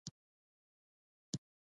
ژبه د علم او پوهې د خپرېدو وسیله ده.